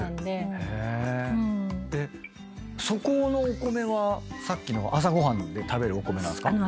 そこのお米はさっきの朝ご飯で食べるお米なんですか？